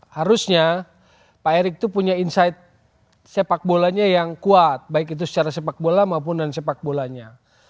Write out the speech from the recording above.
harusnya pak erik itu punya insight sepak bolanya yang kuat baik itu secara sepak bola maupun non sepak bolanya